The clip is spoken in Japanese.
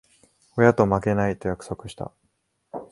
親と負けない、と約束した。